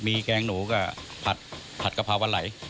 มีแกงหนูกับผัดกะเพราปลาไหล